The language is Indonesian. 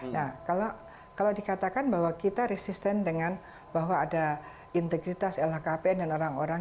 nah kalau dikatakan bahwa kita resisten dengan bahwa ada integritas lhkpn dan orang orang